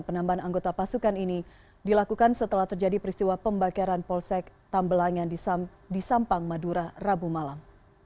penambahan anggota pasukan ini dilakukan setelah terjadi peristiwa pembakaran polsek tambelangan di sampang madura rabu malam